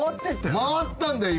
回ったんだよ今！